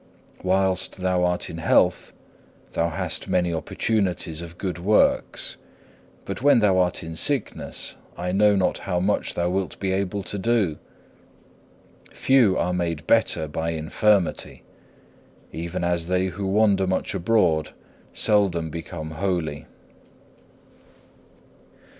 Whilst thou art in health thou hast many opportunities of good works; but when thou art in sickness I know not how much thou wilt be able to do. Few are made better by infirmity: even as they who wander much abroad seldom become holy.